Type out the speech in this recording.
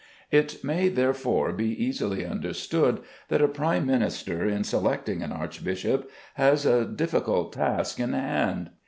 It may, therefore, be easily understood that a Prime Minister, in selecting an archbishop, has a difficult task in hand.